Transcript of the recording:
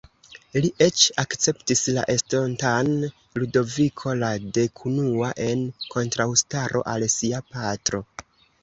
Li eĉ akceptis la estontan Ludoviko la Dekunua en kontraŭstaro al sia patro.